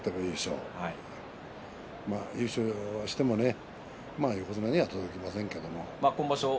優勝してもね、横綱には届きませんけれど。